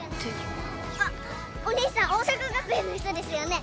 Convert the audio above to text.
あっお兄さん桜咲学園の人ですよね？